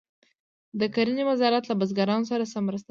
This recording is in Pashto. د کرنې وزارت له بزګرانو سره څه مرسته کوي؟